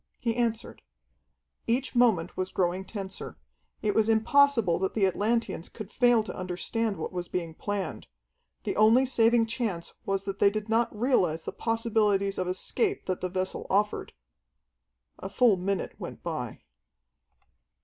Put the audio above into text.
He answered. Each moment was growing tenser. It was impossible that the Atlanteans could fail to understand what was being planned. The only saving chance was that they did not realize the possibilities of escape that the vessel offered. A full minute went by.